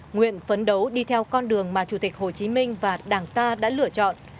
nguyện phấn đấu đi theo con đường mà chủ tịch hồ chí minh và đảng ta đã lựa chọn